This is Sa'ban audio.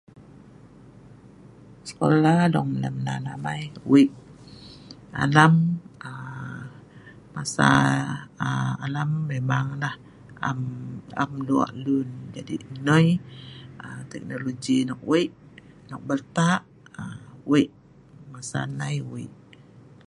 skola dong lem nan amai wei' alam aa masa alam aa memang nah am..am lok lun .. jadi noi.. aa teknologi nok wei', nok bel'ta', wei' masa nai, wei'.